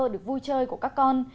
được vui chơi của các con